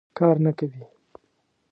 کار نه کوي.